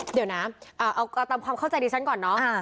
เดี๋ยวน้ำเอาเอาตามความเข้าใจดีฉันก่อนน่ะอ่า